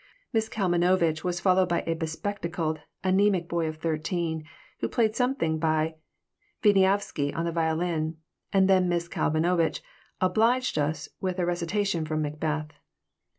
Miss Kalmanovitch was followed by a bespectacled, anemic boy of thirteen who played something by Wieniavsky on the violin, and then Miss Kalmanovitch "obliged" us with a recitation from "Macbeth."